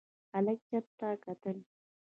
هلک چت ته کتل.